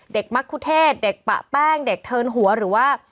มักคุเทศเด็กปะแป้งเด็กเทิร์นหัวหรือว่า